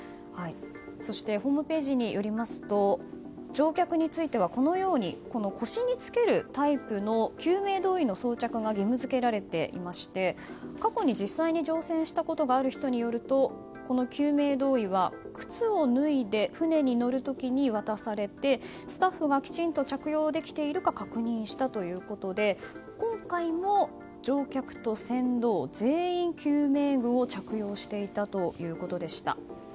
そしてホームページによりますと乗客については、このように腰につけるタイプの救命胴衣の装着が義務付けられていまして過去に実際に乗船したことがある人によるとこの救命胴衣は靴を脱いで船に乗る時に渡されて、スタッフがきちんと着用できているか確認したということで今回も乗客と船頭全員が救命具を着用していたということでした。